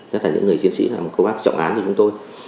nhất là những người chiến sĩ làm công bác trọng án cho chúng tôi